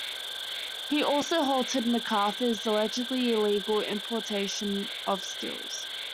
He also halted Macarthur's allegedly illegal importation of stills.